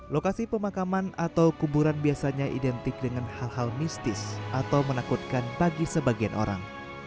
lokasi pemakaman atau kuburan biasanya identik dengan hal hal mistis atau menakutkan bagi sebagian orang